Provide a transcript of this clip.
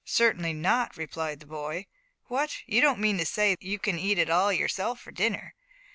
"Certainly not," replied the boy. "What! you don't mean to say you can eat it all yourself for dinner?"